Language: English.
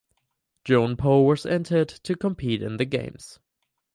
Joan Poh was entered to compete in the Games.